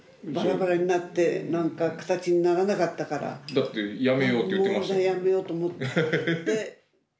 だってやめようと言ってましたよ。